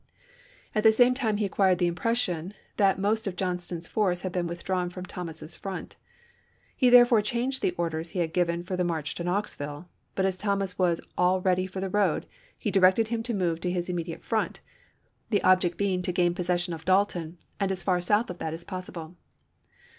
At the same time he acquired the impression that most of Johnston's force had been withdrawn from Thomas's front. He therefore changed the orders he had given for the march to Knoxville, but as Thomas, ^' cd^mittee Thomas was all ready for the road, he directed him o?the°war! to movc to his immediate front, the object being to meut^" gain possession of Dalton and as far south of that Vol.1.', .11 p. 183. as possible.